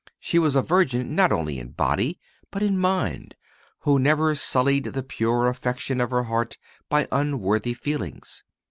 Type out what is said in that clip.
She was a virgin not only in body, but in mind, who never sullied the pure affection of her heart by unworthy feelings.